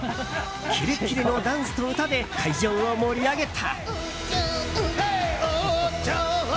キレッキレのダンスと歌で会場を盛り上げた。